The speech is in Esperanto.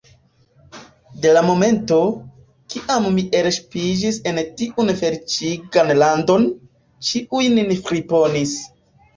De la momento, kiam ni elŝipiĝis en tiun feliĉigan landon, ĉiuj nin friponis.